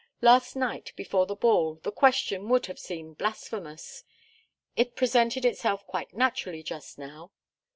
Last night, before the ball, the question would have seemed blasphemous. It presented itself quite naturally just now.